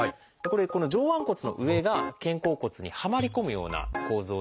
これこの上腕骨の上が肩甲骨にはまり込むような構造になっています。